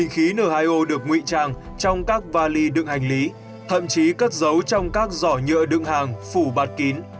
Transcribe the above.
ký n hai o được ngụy trang trong các vali đựng hành lý thậm chí cất dấu trong các giỏ nhựa đựng hàng phủ bát kín